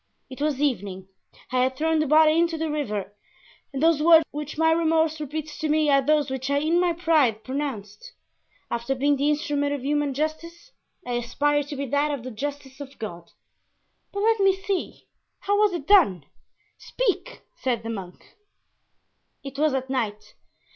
It was evening; I had thrown the body into the river and those words which my remorse repeats to me are those which I in my pride pronounced. After being the instrument of human justice I aspired to be that of the justice of God." "But let me see, how was it done? Speak," said the monk. "It was at night.